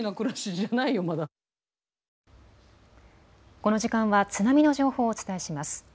この時間は津波の情報をお伝えします。